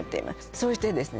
そしてですね